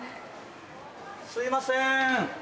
すいません。